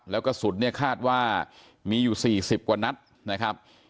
แล้วกระสุนเนี่ยคาดว่ามีอยู่๔๐กว่านัดนะครับ